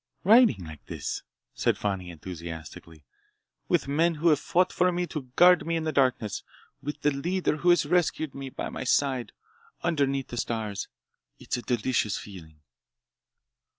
"Riding like this," said Fani enthusiastically, "with men who have fought for me to guard me in the darkness, with the leader who has rescued me by my side, underneath the stars— It's a delicious feeling!"